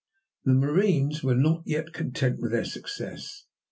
The marines were not yet content with their success.